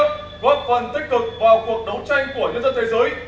góp phần tích cực vào cuộc đấu tranh của nhân dân thế giới